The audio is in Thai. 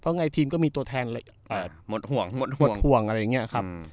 เพราะไงทีมก็มีตัวแทนเลยอ่าหมดห่วงหมดห่วงหมดห่วงอะไรอย่างเงี้ยครับ